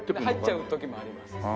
入っちゃう時もあります。